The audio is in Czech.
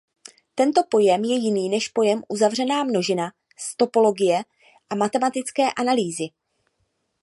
Tento pojem je jiný než pojem uzavřená množina z topologie a matematické analýzy.